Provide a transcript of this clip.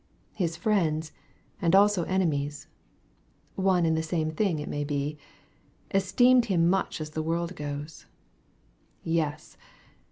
His friends and also enemies (One and the same thing it may be) Esteemed him much as the worid goes. Yes